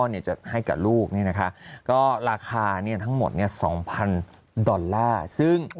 เนี่ยจะให้กับลูกเนี่ยนะคะก็ราคาทั้งหมดเนี่ย๒๐๐๐ดอลลาร์ซึ่ง